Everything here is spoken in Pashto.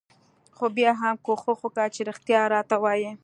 خو بيا هم کوښښ وکه چې رښتيا راته وايې.